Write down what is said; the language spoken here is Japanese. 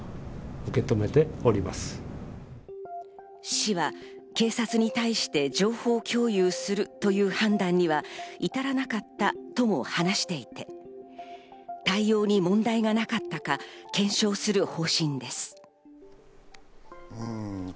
市は警察に対して情報共有するという判断には至らなかったとも話していて、対応に問題がなかったか検証する方針です。